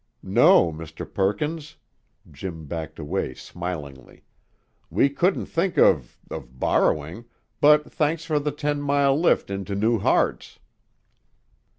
"No, Mr. Perkins." Jim backed away smilingly. "We couldn't think of of borrowing, but thanks for the ten mile lift into New Hartz."